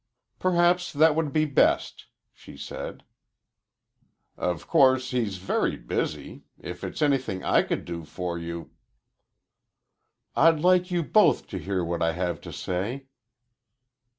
"Perhaps that would be best," she said. "Of course he's very busy. If it's anything I could do for you " "I'd like you both to hear what I have to say."